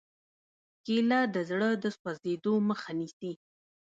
کېله د زړه د سوځېدو مخه نیسي.